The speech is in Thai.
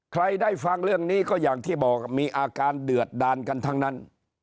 ใครได้ฟังเรื่องนี้ก็อย่างที่บอกมีอาการเดือดดานกันทั้งนั้น